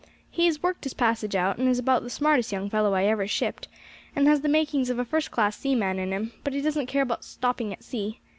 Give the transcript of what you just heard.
He has worked his passage out, and is about the smartest young fellow I ever shipped, and has the makings of a first class seaman in him, but he doesn't care about stopping at sea.